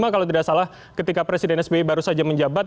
kalau tidak salah ketika presiden sbi baru saja menjabat